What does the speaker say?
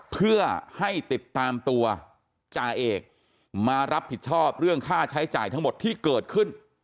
เพื่อให้ติดตามตัวจ่าเอกมารับผิดชอบเรื่องค่าใช้จ่ายทั้งหมดที่เกิดขึ้น